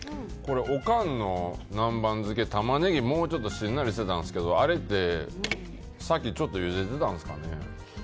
おかんの南蛮漬けはタマネギがもうちょっとしんなりしてたんですけどあれって、先にちょっとゆでてたんですかね。